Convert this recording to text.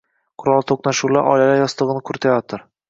Qurolli toʻqnashuvlar oilalar yostigʻi quriyotdi